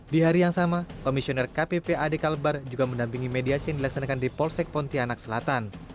di hari yang sama komisioner kppad kalbar juga mendampingi mediasi yang dilaksanakan di polsek pontianak selatan